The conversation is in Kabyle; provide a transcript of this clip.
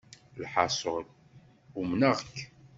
Lḥaṣul, umneɣ-k.